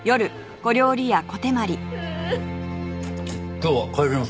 今日は帰ります。